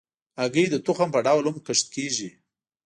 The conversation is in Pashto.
هګۍ د تخم په ډول هم کښت کېږي.